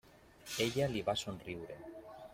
Ella li va somriure.